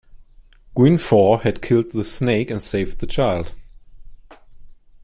Guinefort had killed the snake and saved the child.